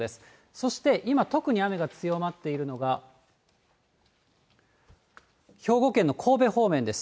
そして今、特に雨が強まっているのが、兵庫県の神戸方面です。